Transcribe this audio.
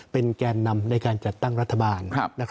เป็นแกนนำในการจัดตั้งรัฐบาล